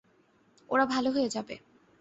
ওরা ভালো হয়ে যাবে।